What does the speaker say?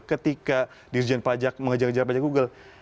ketika dirjen pajak mengejar ngejar pajak google